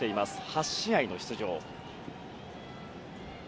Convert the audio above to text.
８試合の出場。